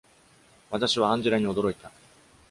私はアンジェラに驚いた。